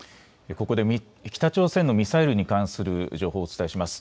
ここで北朝鮮のミサイルに関する情報をお伝えします。